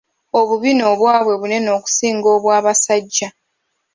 Obubina obwabwe bunene okusinga obw'abasajja.